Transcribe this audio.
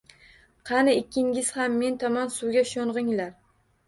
– Qani, ikkingiz ham men tomon suvga sho‘ng‘inglar